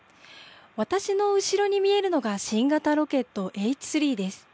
私の後ろに見えるのが新型ロケットＨ３です。